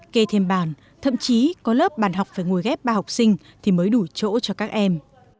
kê thêm bàn thậm chí có lớp bàn học phải ngồi ghép ba học sinh thì mới đủ chỗ cho các em